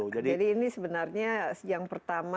jadi ini sebenarnya yang pertama